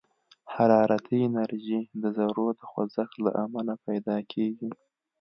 حرارتي انرژي د ذرّو د خوځښت له امله پيدا کېږي.